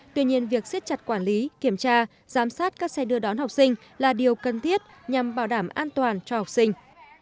tuy nhiên việc siết chặt quản lý kiểm tra giám sát các xe đưa đón học sinh là điều cần thiết nhằm bảo đảm an toàn cho học sinh